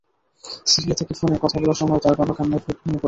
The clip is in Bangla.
সিরিয়া থেকে ফোনে কথা বলার সময় তাঁর বাবা কান্নায় ভেঙে পড়েন।